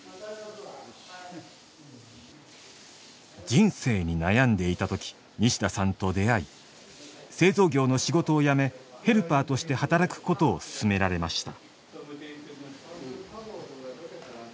人生に悩んでいた時西田さんと出会い製造業の仕事を辞めヘルパーとして働くことを勧められました。